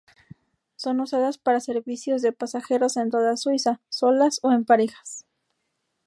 Son usadas para servicios de pasajeros en toda Suiza, solas o en parejas.